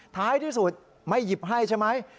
ท้ายที่สุดไม่หยิบให้ใช่ไหม